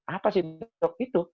apa sih dok itu